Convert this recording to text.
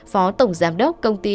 phó tổng giám đốc công ty